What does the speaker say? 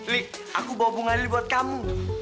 li aku bawa bunga lili buat kamu